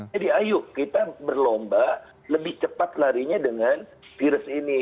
jadi ayo kita berlomba lebih cepat larinya dengan virus ini